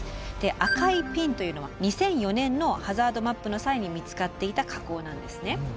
赤いピンというのは２００４年のハザードマップの際に見つかっていた火口なんですね。